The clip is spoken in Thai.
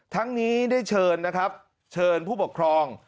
ทั้งนี้ได้เชิญนะครับเชิญผู้ปกครอง